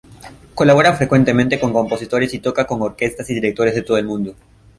Colabora frecuentemente con compositores y toca con orquestas y directores de todo el mundo.